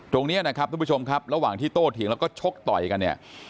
ตรงนี้นะครับทุกผู้ชมครับระหว่างที่โต้เถียงแล้วก็ชกต่อยกันเนี่ย